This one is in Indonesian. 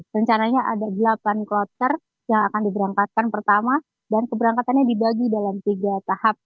rencananya ada delapan kloter yang akan diberangkatkan pertama dan keberangkatannya dibagi dalam tiga tahap